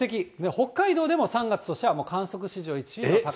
北海道でも３月としては観測史上１位の暑さ。